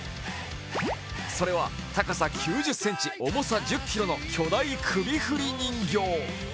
それは、高さ９０ｃｍ重さ１０ｋｇの巨大首振り人形。